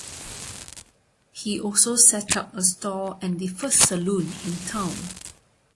He also set up a store and the first saloon in town.